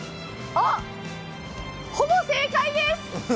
あっ、ほぼ正解です。